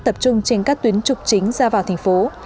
tập trung trên các tuyến trục chính ra vào thành phố